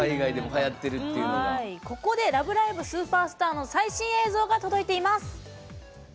ここで「ラブライブ！スーパースター！！」の最新映像が届いています。